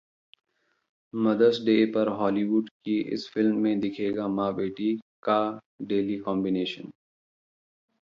mother's Day पर Hollywood की इस फिल्म में दिखेगा मां-बेटी का डेडली कॉम्बिनेशन